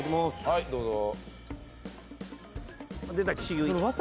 はいどうぞ。